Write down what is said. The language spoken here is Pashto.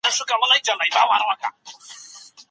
ښه خوب د وزن په کمولو کې مرسته کوي.